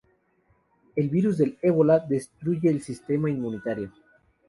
El virus del Ébola destruye el sistema inmunitario.